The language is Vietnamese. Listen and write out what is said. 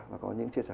và có những chia sẻ